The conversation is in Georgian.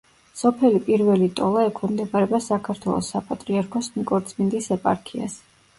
სოფელი პირველი ტოლა ექვემდებარება საქართველოს საპატრიარქოს ნიკორწმინდის ეპარქიას.